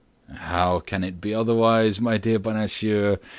"How can it be otherwise, my dear Bonacieux?"